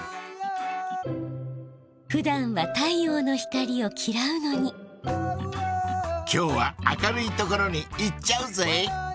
ふだんは太陽の光をきらうのに今日は明るいところに行っちゃうぜ！